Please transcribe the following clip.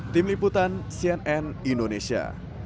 tim liputan cnn indonesia